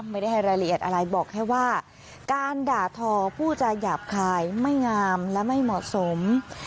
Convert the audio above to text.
ไม่ได้ให้รายละเอียดอะไรบอกแค่ว่าการด่าทอผู้จาหยาบคายไม่งามและไม่เหมาะสม